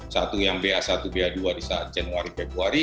satu yang ba satu ba dua di saat januari februari